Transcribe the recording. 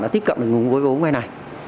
đã tiếp cận được nguồn vốn vay này